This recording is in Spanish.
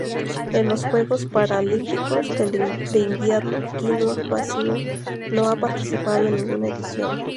En los Juegos Paralímpicos de Invierno Guinea-Bisáu no ha participado en ninguna edición.